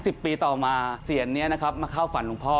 สิบปีต่อมาเศียรนี้มาเข้าฝันหลวงพ่อ